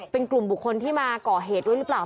เป็นกลุ่มบุคคลที่มาก่อเหตุด้วยหรือเปล่า